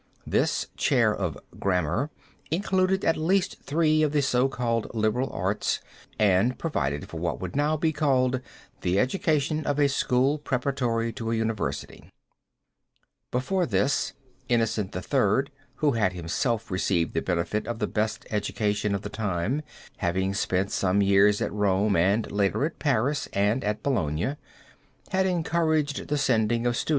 This Chair of Grammar included at least three of the so called liberal arts and provided for what would now be called, the education of a school preparatory to a university. Before this, Innocent III, [Footnote 2] who had himself received the benefit of the best education of the time, having spent some years at Rome and later at Paris and at Bologna, had encouraged the sending of students to these universities in every way.